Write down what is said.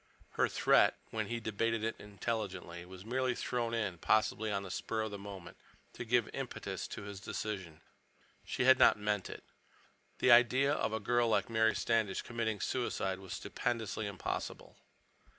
Her threat, when he debated it intelligently, was merely thrown in, possibly on the spur of the moment, to give impetus to his decision. She had not meant it. The idea of a girl like Mary Standish committing suicide was stupendously impossible.